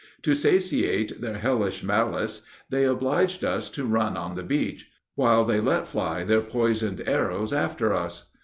To satiate their hellish malice, they obliged us to run on the beach, while they let fly their poisoned arrows after us.